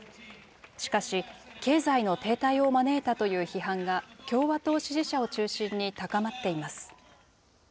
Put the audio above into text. しかし、経済の停滞を招いたという批判が共和党支持者を中心に高まっています。